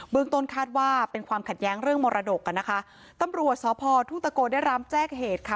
ต้นคาดว่าเป็นความขัดแย้งเรื่องมรดกอ่ะนะคะตำรวจสพทุ่งตะโกได้รับแจ้งเหตุค่ะ